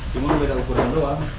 cuma beda ukuran doang